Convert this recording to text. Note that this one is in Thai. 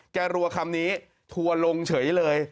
แกรัวคำนี้ถั่วลงเฉยเลย